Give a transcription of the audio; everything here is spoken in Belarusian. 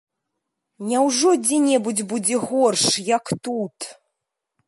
Няўжо дзе-небудзь будзе горш, як тут?